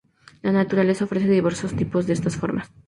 La Naturaleza ofrece diversos tipos de estas formas.